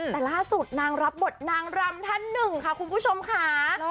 แต่ล่าสุดนางรับบทนางรำท่านหนึ่งค่ะคุณผู้ชมค่ะ